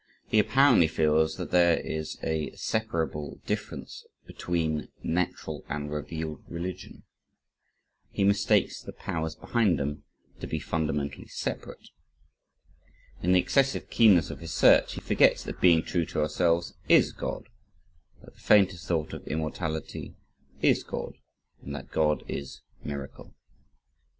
He apparently feels that there is a separable difference between natural and revealed religion. He mistakes the powers behind them, to be fundamentally separate. In the excessive keenness of his search, he forgets that "being true to ourselves" IS God, that the faintest thought of immortality IS God, and that God is "miracle."